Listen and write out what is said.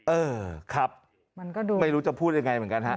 เออครับไม่รู้จะพูดยังไงเหมือนกันครับ